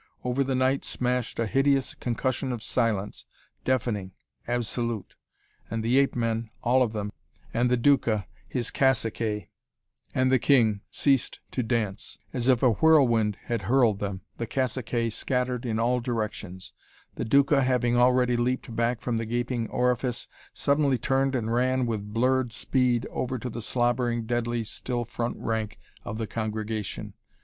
Over the night smashed a hideous concussion of silence, deafening, absolute. And the ape men all of them and the Duca, his caciques, and the king, ceased to dance. As if a whirlwind had hurled them, the caciques scattered in all directions. The Duca, having already leaped back from the gaping orifice, suddenly turned and ran with blurred speed over to the slobbering, deadly still front rank of the congregation.